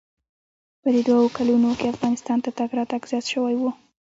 په دې دوو کلونو کښې افغانستان ته تگ راتگ زيات سوى و.